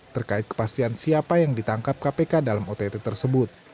terkait kepastian siapa yang ditangkap kpk dalam ott tersebut